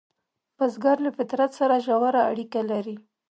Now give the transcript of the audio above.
بزګر له فطرت سره ژور اړیکه لري